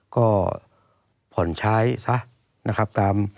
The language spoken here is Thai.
ก็ผ่อนใช้ซะนะครับตาม